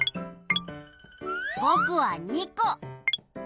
ぼくは２こ。